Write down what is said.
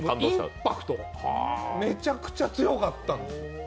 インパクト、めちゃくちゃ強かったんです。